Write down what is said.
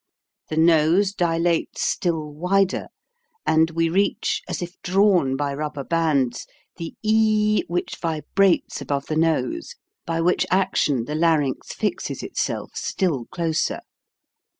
The nose dilates still wider and we reach as if drawn by rubber bands the e which vibrates above the nose, by which action the larynx fixes itself still closer.